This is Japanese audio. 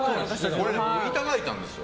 これ、いただいたんですよ。